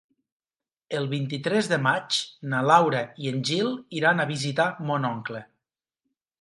El vint-i-tres de maig na Laura i en Gil iran a visitar mon oncle.